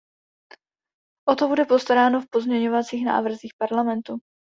O to bude postaráno v pozměňovacích návrzích Parlamentu.